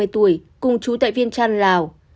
ba mươi tuổi cùng trú tại viên trang lào